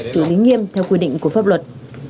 xử lý nghiêm theo quy định của pháp luật